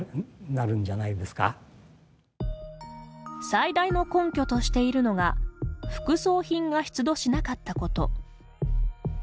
最大の根拠としているのが副葬品が出土しなかったこと。